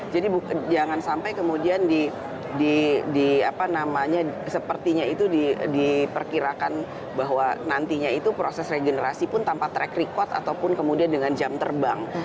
jadi jangan sampai kemudian di apa namanya sepertinya itu diperkirakan bahwa nantinya itu proses regenerasi pun tanpa track record ataupun kemudian dengan jam terbang